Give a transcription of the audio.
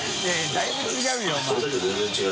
だいぶ違うよお前。